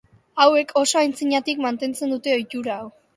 Hauek, oso antzinatik mantentzen dute ohitura hau.